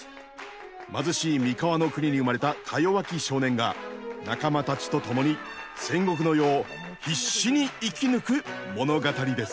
貧しい三河の国に生まれたかよわき少年が仲間たちと共に戦国の世を必死に生き抜く物語です。